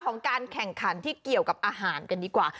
ของการแข่งขันที่เกี่ยวกับอาหารกันดีกว่า